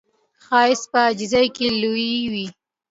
ښایست په عاجزۍ کې لوی وي